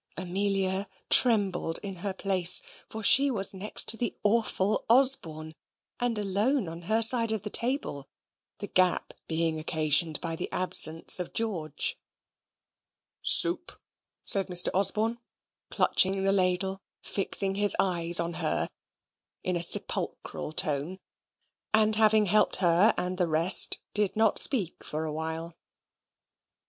Amelia trembled in her place, for she was next to the awful Osborne, and alone on her side of the table the gap being occasioned by the absence of George. "Soup?" says Mr. Osborne, clutching the ladle, fixing his eyes on her, in a sepulchral tone; and having helped her and the rest, did not speak for a while.